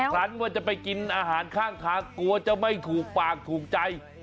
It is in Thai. คลั้นว่าจะไปกินอาหารข้างทางกลัวจะไม่ถูกปากถูกใจ